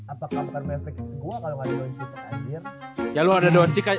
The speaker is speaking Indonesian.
apakah bener bener impact gua kalau ga ada don cicak anjir